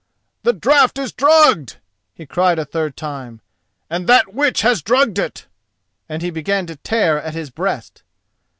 "The draught is drugged!" he cried a third time, "and that witch has drugged it!" And he began to tear at his breast.